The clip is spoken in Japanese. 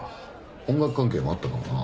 音楽関係もあったかもな。